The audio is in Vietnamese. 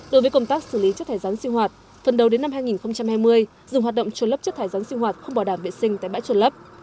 đối với công tác xử lý chất thải rắn sinh hoạt phần đầu đến năm hai nghìn hai mươi dùng hoạt động trồn lấp chất thải rắn sinh hoạt không bỏ đảm vệ sinh tại bãi chuẩn lấp